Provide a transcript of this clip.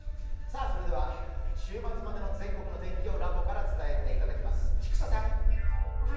それでは、週末までの全国の天気をラボから伝えていただきます。